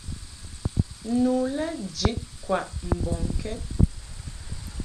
Nu lɛ jid kwaʼ mbɔŋkɛd.